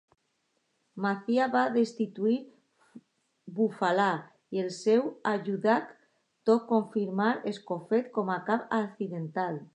Macià va destituir Bufalà i el seu ajudant tot confirmant Escofet com a cap accidental.